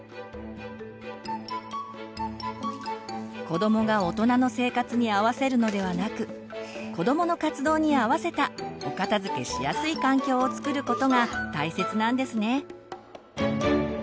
子どもが大人の生活に合わせるのではなく子どもの活動に合わせたお片づけしやすい環境をつくることが大切なんですね。